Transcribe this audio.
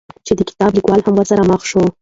چې د کتاب ليکوال هم ورسره مخ شوى،